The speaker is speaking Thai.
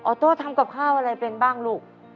โต้ทำกับข้าวอะไรเป็นบ้างลูก